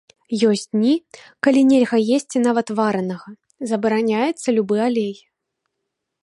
Ёсць дні, калі нельга есці нават варанага, забараняецца любы алей.